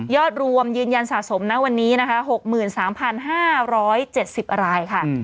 รวมยืนยันสะสมนะวันนี้นะคะ๖๓๕๗๐รายค่ะ